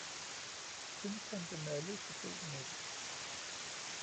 Kun tante malle forstod den ikke